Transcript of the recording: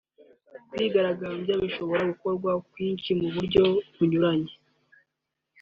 Kwigaragambya bishobora gukorwa kwinshi mu buryo bunyuranye